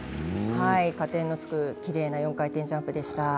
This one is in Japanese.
加点のつくきれいな４回転ジャンプでした。